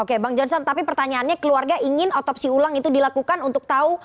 oke bang johnson tapi pertanyaannya keluarga ingin otopsi ulang itu dilakukan untuk tahu